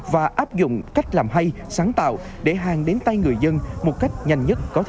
và áp dụng cách làm hay sáng tạo để hàng đến tay người dân một cách nhanh nhất có thể